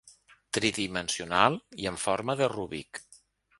Tridimensional i amb forma de Rubik.